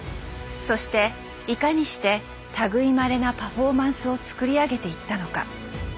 そしていかにして類いまれなパフォーマンスをつくり上げていったのか。